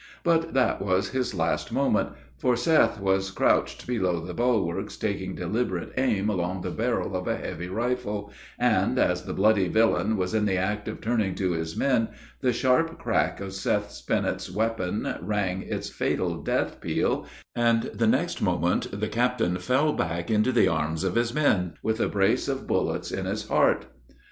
But that was his last moment, for Seth was crouched below the bulwarks, taking deliberate aim along the barrel of a heavy rifle, and, as the bloody villain was in the act of turning to his men, the sharp crack of Seth Spinnet's weapon rang its fatal death peal, and the next moment the captain fell back into the arms of his men, with a brace of bullets in his heart.